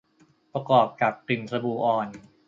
ประกอบกับกลิ่นสบู่อ่อน